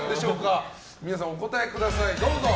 皆さん、お答えください。